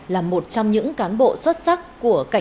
là một trong những cán bộ xuất sắc